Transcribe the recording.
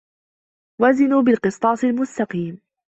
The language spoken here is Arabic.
وَزِنوا بِالقِسطاسِ المُستَقيمِ